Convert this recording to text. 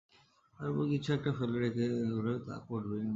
তার উপর কিছু একটা ফেলে রেখে হলেও তা করবে।